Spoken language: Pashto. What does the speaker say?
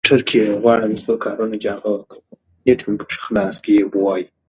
لیکوالی د ذهن تمرکز، تفکر او ابتکار د پراختیا لپاره حیاتي اهمیت لري.